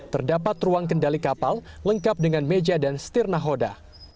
terdapat ruang kendali kapal lengkap dengan meja dan stir nahoda